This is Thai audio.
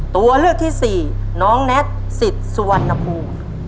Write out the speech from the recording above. ตัวเลือกที่สี่น้องแนทศิษย์สิทธิ์สวรรณภู